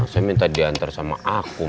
saya minta diantar sama aku